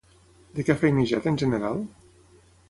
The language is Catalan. De què ha feinejat en general?